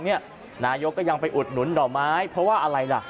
นายก็ยังไปอุดหนุนหน่อไม้เพราะว่าอะไร